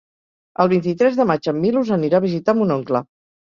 El vint-i-tres de maig en Milos anirà a visitar mon oncle.